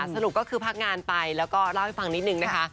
สรุปก็คือพักงานไปแล้วก็เล่าให้ฟังนิดนึงนะคะ